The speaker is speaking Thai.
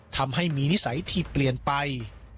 ทำให้มีนิสัยที่เปลี่ยนไป